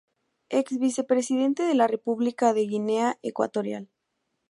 Ex Vicepresidente de la República de Guinea Ecuatorial.